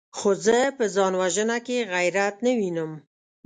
خو زه په ځان وژنه کې غيرت نه وينم!